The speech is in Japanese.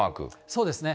そうですね。